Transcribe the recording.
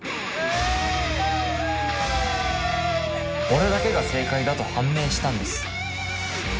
俺だけが正解だと判明したんです。